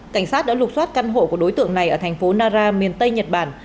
cảnh sát đã lục xoát căn hộ của đối tượng này ở thành phố nara miền tây nhật bản